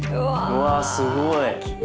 うわっすごい。